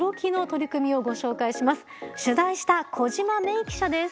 取材した小島萌衣記者です。